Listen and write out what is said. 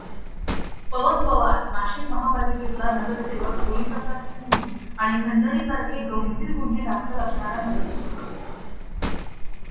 पवन पवार नाशिक महापालिकेतला नगरसेवक पोलिसाचा खून आणि खंडणीसारखे गंभीर गुन्हे दाखल असणारा नगरसेवक.